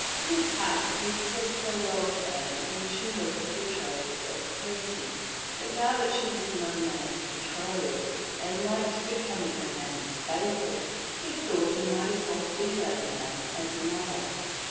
In his heart he had said farewell t6 Anne when she was the betrothed of Percy, but now that she was no man's betrothed, and like to becoming a man's favorite he thought he might as well be that man as another.